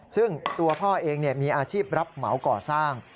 ซึ่งตัวพ่อเองมีอาชีพรับเหมาก่อสร้าง